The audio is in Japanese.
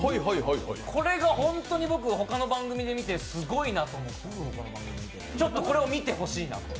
これが本当に僕、他の番組見てすごいなっておもって、これを見てほしいなと。